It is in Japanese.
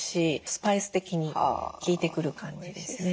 スパイス的に効いてくる感じですね。